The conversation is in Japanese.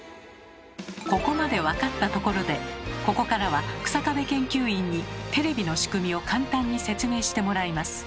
ここまで分かったところでここからは日下部研究員にテレビの仕組みを簡単に説明してもらいます。